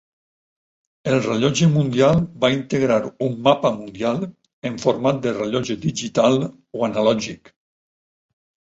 El rellotge mundial va integrar un mapa mundial, en format de rellotge digital o analògic.